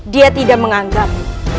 dia tidak menganggapmu